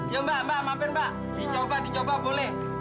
ya mbak mbak mampir mbak dicoba dicoba boleh